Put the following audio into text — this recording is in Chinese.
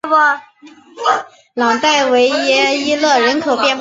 朗代维耶伊勒人口变化图示